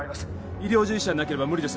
医療従事者でなければ無理です